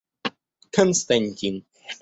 Константин